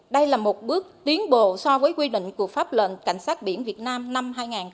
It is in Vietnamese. đây là một bước tiến bộ so với quy định của pháp lệnh cảnh sát biển việt nam năm hai nghìn tám